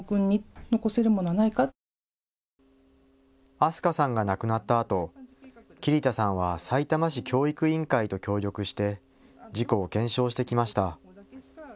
明日香さんが亡くなったあと、桐田さんはさいたま市教育委員会と協力して事故を検証してきました。